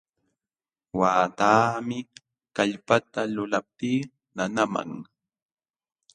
Waqtaami kallpata lulaptii nanaman.